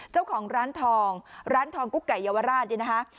เจ้าของร้านทองร้านทองกุ๊กไก่เยาวราชเนี่ยนะคะ